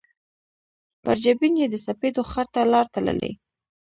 پر جبین یې د سپېدو ښار ته لار تللي